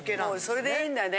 それでいいんだね。